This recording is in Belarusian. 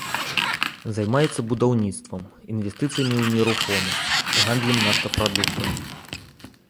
Займаецца будаўніцтвам, інвестыцыямі ў нерухомасць, гандлем нафтапрадуктамі.